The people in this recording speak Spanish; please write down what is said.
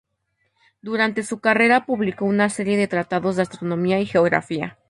Durante su carrera publicó una serie de tratados de astronomía y geografía.